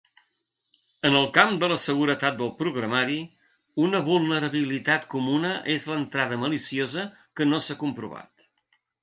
En el camp de la seguretat del programari, una vulnerabilitat comuna és l'entrada maliciosa que no s'ha comprovat.